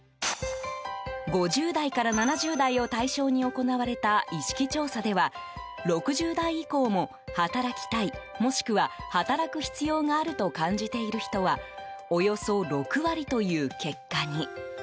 ５０代から７０代を対象に行われた意識調査では６０代以降も、働きたいもしくは働く必要があると感じている人はおよそ６割という結果に。